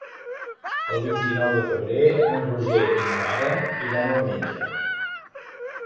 El vint-i-nou de febrer en Roger i na Lara iran al metge.